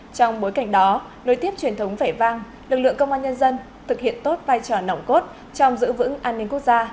trong bối cảnh đó nối tiếp truyền thống vẻ vang lực lượng công an nhân dân thực hiện tốt vai trò nòng cốt trong giữ vững an ninh quốc gia